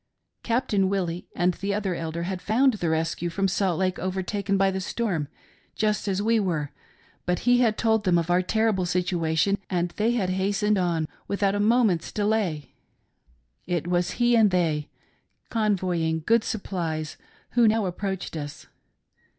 Captain Willie and the other Elder had found the rescue from Salt ' Lake overtaken by the storm just as we were, but he had told them of our terrible situation, and they had hastened on with out a moment's delay. It was he and they, convoying good supplies, who now approached us.